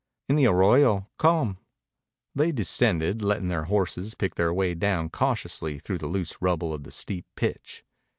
"In the arroyo. Come." They descended, letting the horses pick their way down cautiously through the loose rubble of the steep pitch.